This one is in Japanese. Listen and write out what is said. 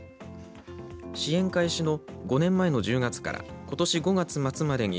支援開始の５年前の１０月からことし５月末までに